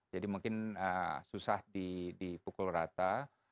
jadi mungkin susah dipukul rata